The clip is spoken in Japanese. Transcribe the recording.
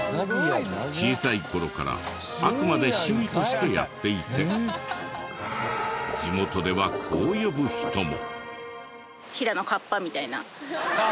小さい頃からあくまで趣味としてやっていて地元ではこう呼ぶ人も。